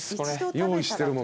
用意してるもん